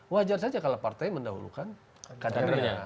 wajar saja kalau partai mendahulukan kadernya